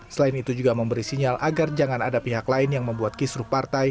selain itu juga memberi sinyal agar jangan ada pihak lain yang membuat kisruh partai